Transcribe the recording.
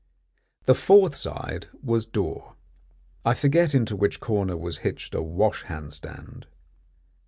The fourth side was door. I forget into which corner was hitched a wash hand stand.